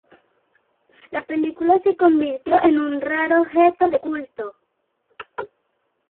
La película se convirtió en un raro objeto de culto.